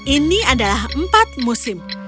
ini adalah empat musim